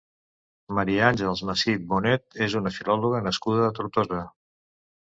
Maria Àngels Massip Bonet és una filòloga nascuda a Tortosa.